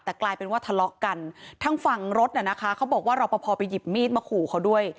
แต่กลายเป็นว่าทะเลาะกันทางฝั่งรถน่ะนะคะเขาบอกว่ารอปภไปหยิบมีดมาขู่เขาด้วย